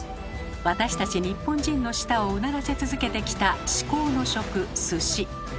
私たち日本人の舌をうならせ続けてきた至高の食「鮨」。